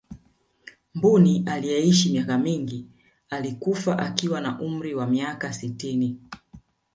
mbuni aliyeishi miaka mingi alikufa akiwa na umri wa miaka sitini